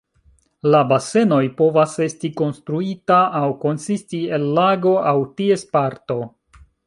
La basenoj povas esti konstruita aŭ konsisti el lago aŭ ties parto.